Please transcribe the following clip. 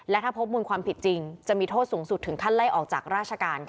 และถ้าพบมูลความผิดจริงจะมีโทษสูงสุดถึงขั้นไล่ออกจากราชการ